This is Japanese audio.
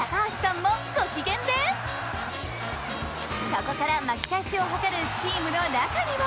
ここから巻き返しを図るチームの中には。